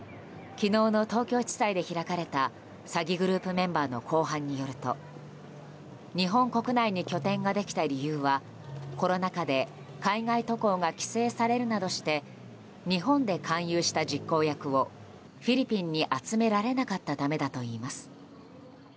昨日の東京地裁で開かれた詐欺グループメンバーの公判によると日本国内に拠点ができた理由はコロナ禍で海外渡航が規制されるなどして日本で勧誘した実行役をフィリピンに集められなかったためだといいます。